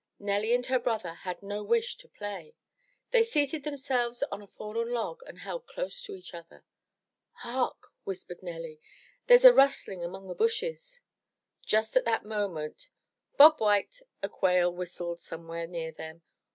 Nelly and her brother had no wish to play. They seated themselves on a fallen log and held close to each other. "Hark !'' whispered Nelly ."There's a rustling among the bushes." 365 MY BOOK HOUSE Just at that moment, "Bob white!" a quail whistled some where near them.